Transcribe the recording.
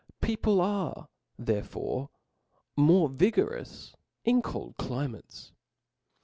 People arc therefore more vigorous in cold cli mates.